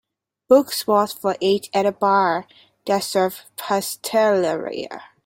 book spot for eight at a bar that serves pastelaria